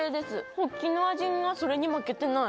ホッキの味がそれに負けてない。